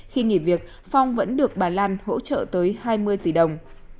tương đương vẫn được bà lan hỗ trợ tới hai mươi tỷ đồng